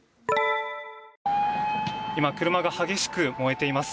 今、車が激しく燃えています。